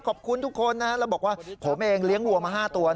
ขอบคุณทุกคนนะแล้วบอกว่าผมเองเลี้ยงวัวมา๕ตัว